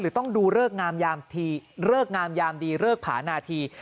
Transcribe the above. หรือต้องดูเลิกงามยามดีเลิกผานาธี